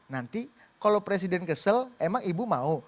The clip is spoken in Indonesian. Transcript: nanti kalau presiden kesel emang ibu mau